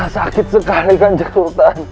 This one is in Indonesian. sakit sekali ganjeng sultan